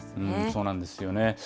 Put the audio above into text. そうなんですよね。